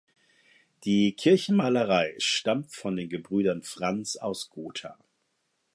Die Kirchenmalerei stammt von den Gebrüdern Franz aus Gotha.